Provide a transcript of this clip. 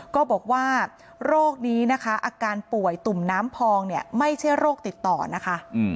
ก็บอกว่าโรคนี้นะคะอาการป่วยตุ่มน้ำพองเนี่ยไม่ใช่โรคติดต่อนะคะ